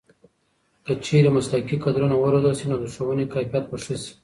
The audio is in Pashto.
که چېرې مسلکي کدرونه وروزل شي نو د ښوونې کیفیت به ښه شي.